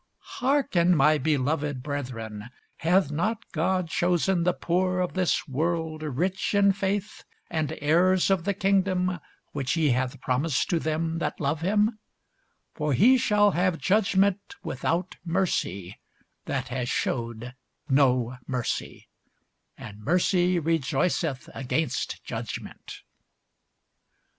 Hearken, my beloved brethren, Hath not God chosen the poor of this world rich in faith, and heirs of the kingdom which he hath promised to them that love him? [Sidenote: James 2] For he shall have judgment without mercy, that hath shewed no mercy; and mercy rejoiceth against judgment.